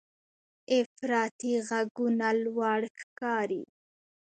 افراطي غږونه لوړ ښکاري.